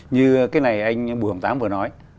như cái này anh bù hồng tám vừa nói